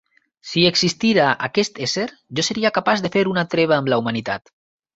Si existira aquest ésser, jo seria capaç de fer una treva amb la humanitat.